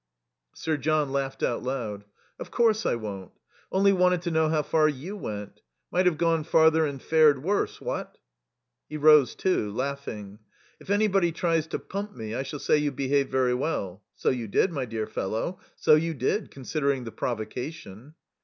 Sir John laughed out loud. "Of course I won't. Only wanted to know how far you went. Might have gone farther and fared worse, what?" He rose, too, laughing. "If anybody tries to pump me I shall say you behaved very well. So you did, my dear fellow, so you did. Considering the provocation."